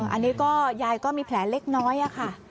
อันนี้ก็ยายก็มีแผลเล็กน้อยค่ะ